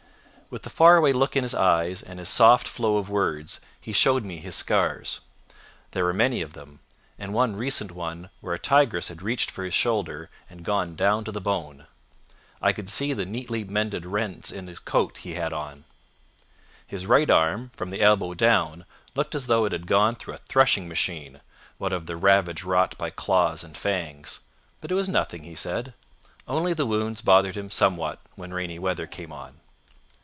With the far away look in his eyes and his soft flow of words he showed me his scars. There were many of them, and one recent one where a tigress had reached for his shoulder and gone down to the bone. I could see the neatly mended rents in the coat he had on. His right arm, from the elbow down, looked as though it had gone through a threshing machine, what of the ravage wrought by claws and fangs. But it was nothing, he said, only the old wounds bothered him somewhat when rainy weather came on.